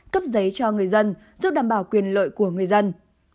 cấp giấy cho người dân giúp đảm bảo quyền lợi của người dân